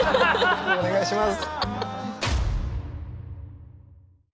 お願いします。